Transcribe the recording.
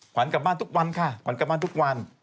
ขวัญกลับบ้านทุกวันค่ะขวัญกลับบ้านทุกวัน